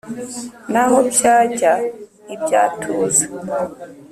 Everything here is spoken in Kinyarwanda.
n’aho byajya ntibyatuza